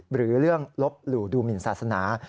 หรือเรื่องลบหลู่ดูหมินศาสนา